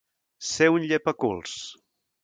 Ser un llepaculs.